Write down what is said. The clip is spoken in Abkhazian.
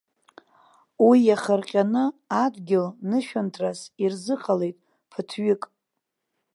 Уи иахырҟьаны, адгьыл нышәынҭрас ирзыҟалеит ԥыҭҩык!